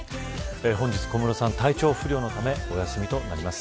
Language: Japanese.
本日、小室さん、体調不良のためお休みとなります。